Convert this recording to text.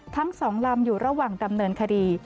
ทั้ง๒ลำอยู่ระหว่างดำเนินคดี